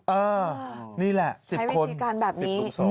เออนี่แหละ๑๐คน๑๐๒